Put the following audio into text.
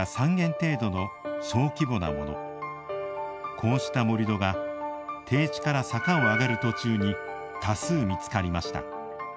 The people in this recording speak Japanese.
こうした盛土が低地から坂を上がる途中に多数見つかりました。